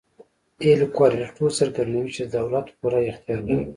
اېل کورالیټو څرګندوي چې دولت پوره اختیار لري.